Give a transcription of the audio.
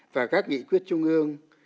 và các nghị quyết trung ương